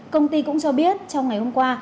công ty cũng cho biết trong ngày hôm qua